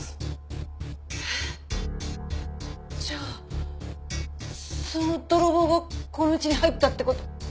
じゃあその泥棒がこの家に入ったって事？